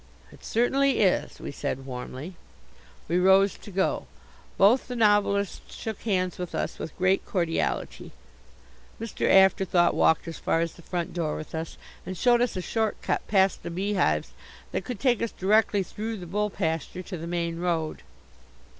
"It certainly is," we said warmly. We rose to go. Both the novelists shook hands with us with great cordiality. Mr. Afterthought walked as far as the front door with us and showed us a short cut past the beehives that could take us directly through the bull pasture to the main road.